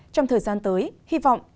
trong thời gian tới hy vọng